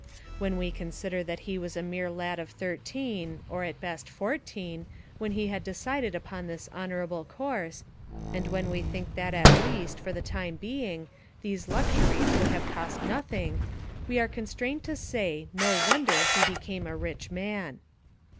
When we consider that he was a mere lad of thirteen, or at best fourteen, when he had decided upon this honorable course, and when we think that at least, for the time being, these luxuries would have cost nothing, we are constrained to say, no wonder he became a rich man.